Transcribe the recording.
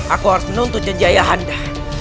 aku harus menuntut janji ayah anda